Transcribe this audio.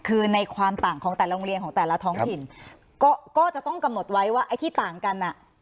คือในความต่างของแต่โรงเรียนของแต่ละท้องถิ่นก็ก็จะต้องกำหนดไว้ว่าไอ้ที่ต่างกันอ่ะ